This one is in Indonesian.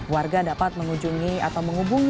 warga dapat mengunjungi atau menghubungi